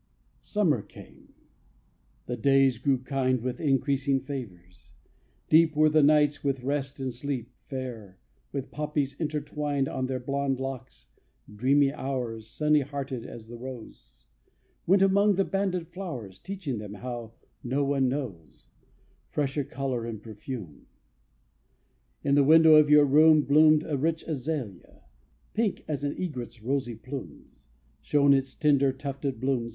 Summer came; the days grew kind With increasing favors; deep Were the nights with rest and sleep: Fair, with poppies intertwined On their blonde locks, dreamy hours, Sunny hearted as the rose, Went among the banded flowers, Teaching them, how no one knows, Fresher color and perfume. In the window of your room Bloomed a rich azalea. Pink, As an egret's rosy plumes, Shone its tender tufted blooms.